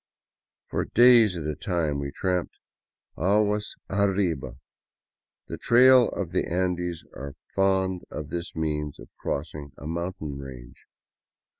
For days at a time we tramped " aguas arriba." The trails of the Andes are fond of this means of crossing a mountain range.